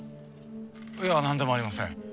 いやなんでもありません。